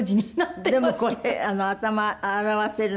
でもこれ頭洗わせるの？